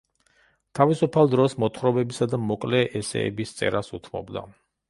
თავისუფალ დროს მოთხრობებისა და მოკლე ესსეების წერას უთმობდა.